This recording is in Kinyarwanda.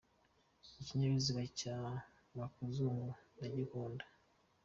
ikinyabiziga cya makuzungu ndagikunda